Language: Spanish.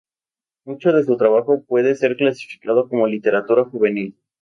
Mucho de su trabajo puede ser clasificado como literatura juvenil.